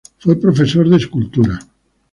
Fue profesor de escultura.